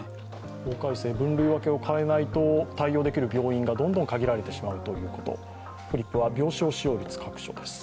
法改正、分類分けを変えないと、対応できる病院がどんどん限られてしまっているということです。